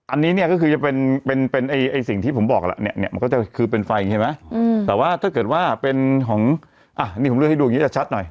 อันนี้ก็คือจะเป็นสิ่งที่ผมบอกละมันก็จะคือเป็นไฟใช่ไหมแต่ว่าถ้าเกิดว่าเป็นของนี่ผมเลื่อนให้ดูแช็ตหน่อย